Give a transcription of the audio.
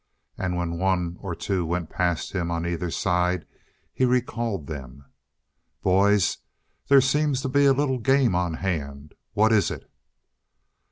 And when one or two went past him on either side, he recalled them. "Boys, there seems to be a little game on hand. What is it?"